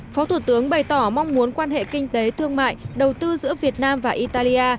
phó thủ tướng bày tỏ mong muốn quan hệ kinh tế thương mại đầu tư giữa việt nam và italia